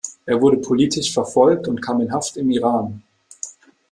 Er wurde politisch verfolgt und kam in Haft im Iran.